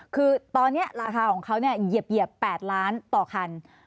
คือตอนเนี้ยราคาของเขาเนี่ยเหยียบเหยียบแปดล้านต่อคัน